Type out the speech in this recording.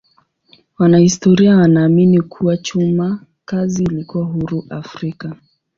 Wanahistoria wanaamini kuwa chuma kazi ilikuwa huru Afrika.